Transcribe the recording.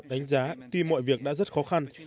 đánh giá tuy mọi việc đã rất khó khăn